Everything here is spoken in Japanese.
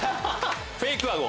フェイクアゴ。